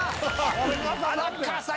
荒川さん